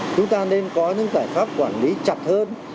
chúng ta nên có những giải pháp quản lý chặt hơn